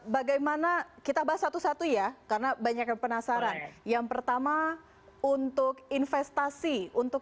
bagaimana kita bahas satu satu ya karena banyak yang penasaran yang pertama untuk investasi untuk